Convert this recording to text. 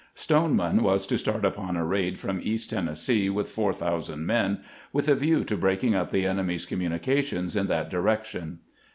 Stoneman was to start upon a raid from east Tennessee with 4000 men, with a view to breaking up the enemy's communications in that direction.